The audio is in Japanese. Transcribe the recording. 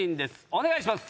お願いします。